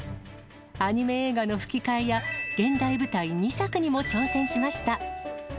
アニメ映画の吹き替えや、現代舞台２作にも挑戦しました。